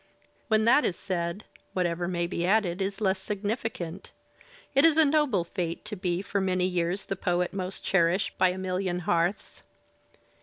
When that is said, whatever may be added is less significant. It is a noble fate to be for many years the poet most cherished by a million hearths.